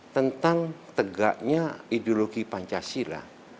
tentang tegaknya ideologi pancasila